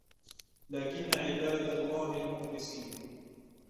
لكنا عباد الله المخلصين